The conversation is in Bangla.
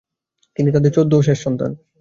তিনি তাদের চৌদ্দ ও শেষ সন্তান।